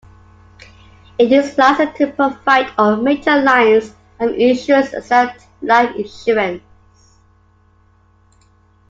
It is licensed to provide all major lines of insurance except life insurance.